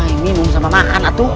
ini mau bersama makan atu